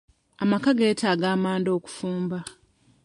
Amaka geetaaga amanda okufumba.